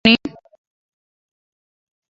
kawaida katika kusoma suala hili Ukweli muhimu ni